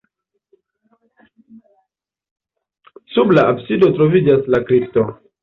Sub la absido troviĝas la kripto.